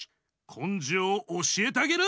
こんじょうをおしえてあげる。